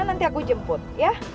nanti aku jemput ya